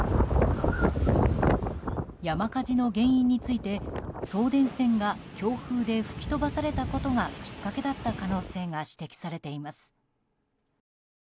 山火事の原因について送電線が強風で吹き飛ばされたことがきっかけだった可能性が指摘されています。